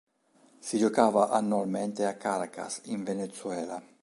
Si giocava annualmente a Caracas in Venezuela.